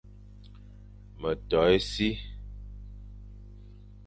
Me to e si,